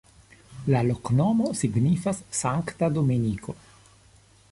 La loknomo signifas: sankta-Dominiko.